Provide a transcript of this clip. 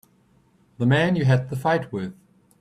The man you had the fight with.